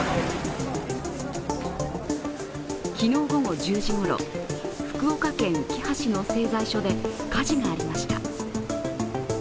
昨日午後１０時ごろ、福岡県うきは市の製材所で火事がありました。